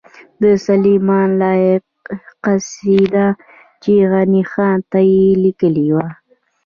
د سلیمان لایق قصیده چی غنی خان ته یی لیکلې وه